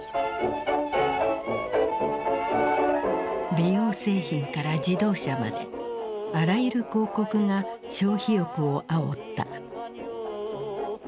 美容製品から自動車まであらゆる広告が消費欲をあおった。